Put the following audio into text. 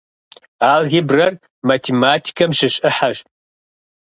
Алгебрэр математикэм щыщ ӏыхьэщ.